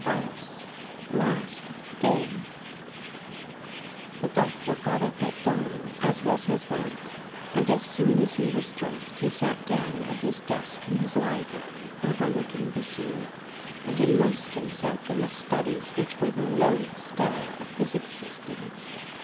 FAUST'S LAST DAY The Doctor got up at dawn, as was his wont, and as soon as he was dressed he sat down at his desk in his library overlooking the sea, and immersed himself in the studies which were the lodestar of his existence.